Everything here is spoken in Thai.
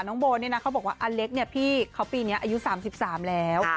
น้องโบนเขาบอกว่าอเล็กพี่เขาปีนี้อายุ๓๓แล้ว